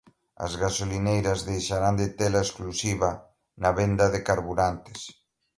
As gasolineiras deixarán de te-la exclusiva na venda de carburantes